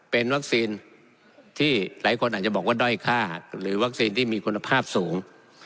เป็นวัคซีนที่หลายคนอาจจะบอกว่าด้อยค่าหรือวัคซีนที่มีคุณภาพสูง